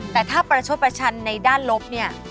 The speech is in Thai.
แต่ถ้าประชดประชันในด้านลบเนี่ย